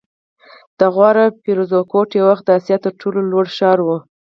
د غور فیروزکوه یو وخت د اسیا تر ټولو لوړ ښار و